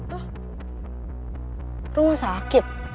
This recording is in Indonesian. hah rumah sakit